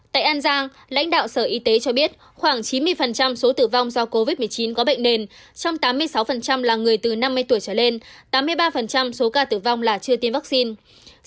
tại an giang lãnh đạo sở y tế cho biết khoảng chín mươi số tử vong do covid một mươi chín có bệnh nền trong tám mươi sáu là người từ năm mươi tuổi trở lên tám mươi ba số ca tử vong là chưa tiêm vaccine